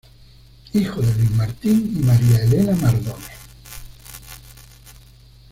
Hijo de Luis Martin y María Elena Mardones.